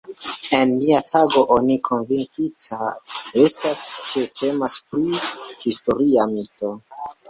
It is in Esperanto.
En niaj tagoj oni konvinkita estas ke temas pri (nura) historia mito.